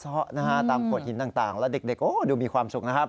ซะนะฮะตามโขดหินต่างแล้วเด็กก็ดูมีความสุขนะครับ